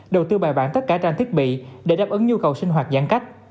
đầu tư bài bản tất cả trang thiết bị để đáp ứng nhu cầu sinh hoạt giãn cách